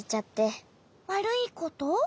わるいこと？